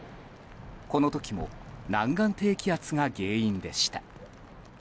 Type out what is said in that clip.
この時も南岸低気圧が原因でした。